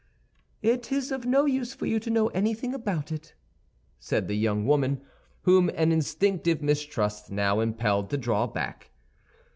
"It is of no use for you to know anything about it," said the young woman, whom an instinctive mistrust now impelled to draw back.